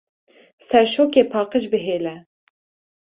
Serşokê paqij bihêle!